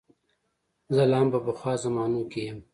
زه لا هم په پخوا زمانو کې یم.